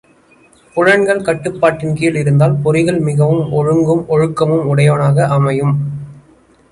புலன்கள் கட்டுப்பாட்டின் கீழ் இருந்தால் பொறிகள் மிகவும் ஒழுங்கும், ஒழுக்கமும் உடையனவாக அமையும்.